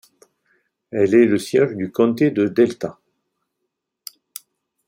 Elle est le siège du comté de Delta.